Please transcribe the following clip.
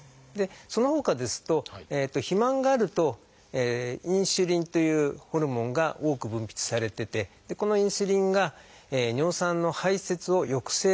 そのほかですと肥満があるとインスリンというホルモンが多く分泌されててこのインスリンが尿酸の排せつを抑制するんですね。